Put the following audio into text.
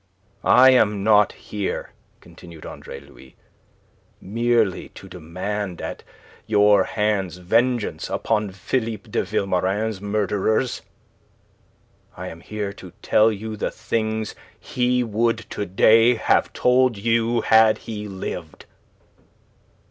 "I am not here," continued Andre Louis, "merely to demand at your hands vengeance upon Philippe de Vilmorin's murderers. I am here to tell you the things he would to day have told you had he lived."